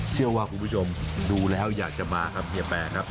เชื่อว่าคุณผู้ชมดูแล้วอยากจะมาครับเฮียแปรครับ